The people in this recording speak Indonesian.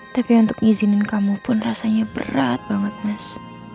tapi untuk izinin kamu pun rasanya berat banget mas